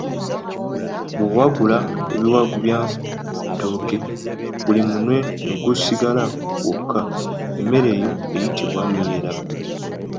Bw’owagula ebiwagu by’ettooke, buli munwe ne gusigalira gwokka, emmere eyo eyitibwa myera.